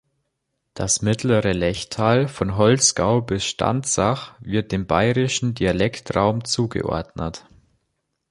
Das mittlere Lechtal von Holzgau bis Stanzach wird dem bairischen Dialektraum zugeordnet.